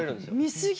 見すぎ？